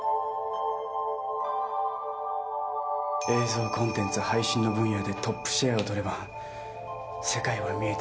映像コンテンツ配信の分野でトップシェアを取れば世界は見えてくる。